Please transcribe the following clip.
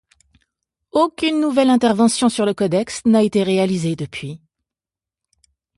Aucune nouvelle intervention sur le codex n’a été réalisée depuis.